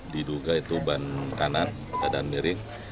diduga itu ban kanan keadaan miring